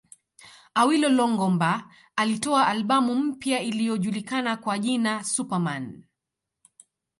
Awilo Longomba alitoa albamu mpya iliyojulikana kwa jina Super Man